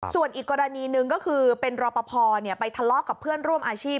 ส่วนอีกกรณีหนึ่งก็คือเป็นรอปภไปทะเลาะกับเพื่อนร่วมอาชีพ